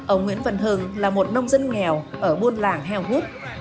ông nguyễn văn hưng là một nông dân nghèo ở buôn làng heo hút